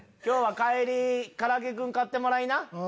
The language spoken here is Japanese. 今日は帰りからあげクン買ってもらいな！